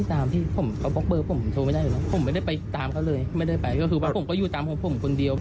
แบบว่ามีแฟนใหม่อย่างเงี่ย